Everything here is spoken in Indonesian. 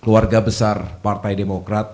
keluarga besar partai demokrat